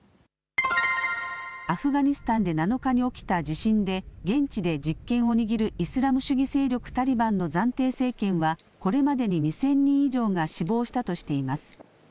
アフガニスタンで７日に起きた地震で現地で実権を握るイスラム主義勢力タリバンの暫定政権はこれまでに２０００人以上が死亡したとしています。